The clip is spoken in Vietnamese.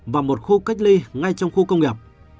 và một khu cách ly ngay trong khu công nghiệp